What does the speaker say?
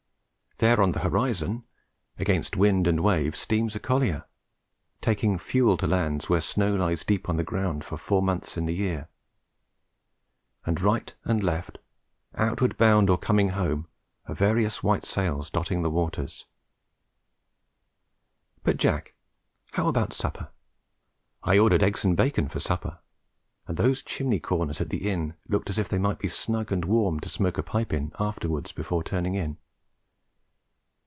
There on the horizon, against wind and wave, steams a collier, taking fuel to lands where the snow lies deep on the ground for four months in the year; and right and left, outward bound or coming home, are various white sails dotting the waters. But, Jack, how about supper? I ordered eggs and bacon for supper, and those chimney corners at the inn looked as if they might be snug and warm to smoke a pipe in afterwards before turning in.